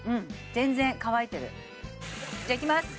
全然乾いてるじゃいきます